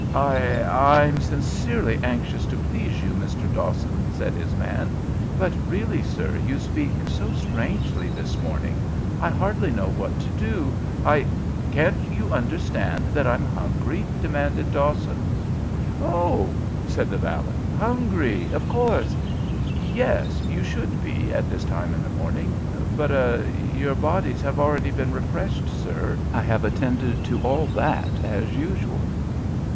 "I I'm sincerely anxious to please you, Mr. Dawson," said his man; "but really, sir, you speak so strangely this morning, I hardly know what to do. I " "Can't you understand that I'm hungry?" demanded Dawson. "Oh!" said the valet. "Hungry, of course; yes, you should be at this time in the morning; but er your bodies have already been refreshed, sir; I have attended to all that as usual."